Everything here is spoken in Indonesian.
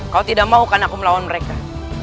kalau tidak mau kan aku melawan mereka